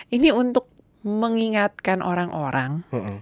ini untuk mengingatkan orang orang